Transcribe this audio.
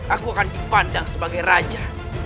aku akan kupandang sebagai raja